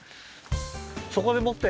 そこでもって！